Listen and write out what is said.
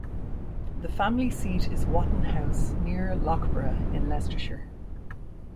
The family seat is Whatton House near Loughborough in Leicestershire.